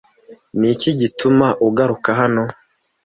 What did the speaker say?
Niki gituma ugaruka hano